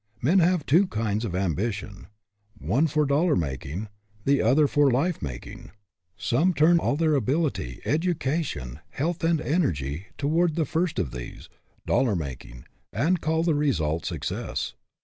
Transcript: Men have two kinds of ambition: one for dollar making, the other for life making. Some turn all their ability, education, health, and energy toward the first of these dollar making and call the result success.